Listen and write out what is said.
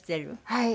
はい。